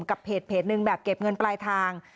กับเพจหนึ่งแบบเก็บเงินปลายทาง